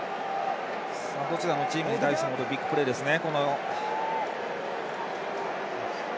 どちらのチームに対してもビッグプレーですね。